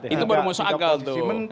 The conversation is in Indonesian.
itu bermusakal tuh